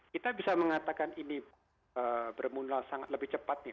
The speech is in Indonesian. kita bisa mengatakan ini bermunal sangat lebih cepat nih